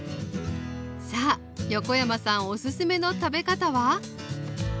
さあ横山さんおすすめの食べ方は？